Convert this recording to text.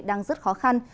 đang rất khó khăn